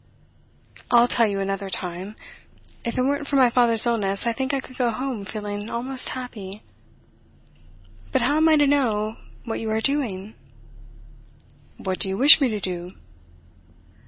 'I'll tell you another time. If it weren't for my father's illness, I think I could go home feeling almost happy. But how am I to know what you are doing?' 'What do you wish me to do?